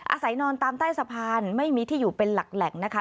อาศัยนอนตามใต้สะพานไม่มีที่อยู่เป็นหลักแหล่งนะคะ